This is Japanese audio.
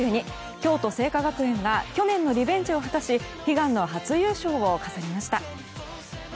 京都精華学園が去年のリベンジを果たし悲願の初優勝を飾りました。